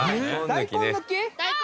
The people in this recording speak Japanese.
大根抜き。